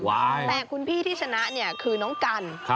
ว้ายแต่คุณพี่ที่ชนะคือน้องกัล